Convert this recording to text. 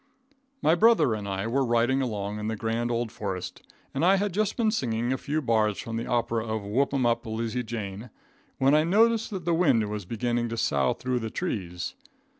My brother and I were riding along in the grand old forest, and I had just been singing a few bars from the opera of "Whoop 'em Up, Lizzie Jane," when I noticed that the wind was beginning to sough through the trees.